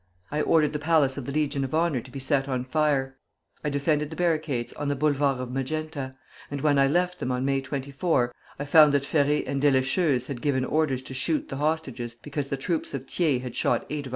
I ordered the Palace of the Legion of Honor to be set on fire; I defended the barricades on the Boulevard of Magenta; and when I left them on May 24, I found that Ferré and Deleschuze had given orders to shoot the hostages because the troops of Thiers had shot eight of our officers.'"